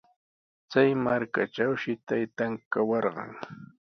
Chay markatrawshi taytan kawarqan.